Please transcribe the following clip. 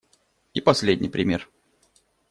И последний пример.